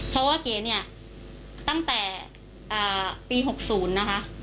เพราะว่าเก๋เนี่ยตั้งแต่ปี๖๐นะคะ